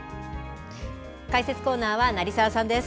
解説コーナーは成澤さんです。